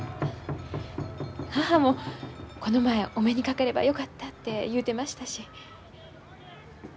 母もこの前お目にかかればよかったって言うてましたし。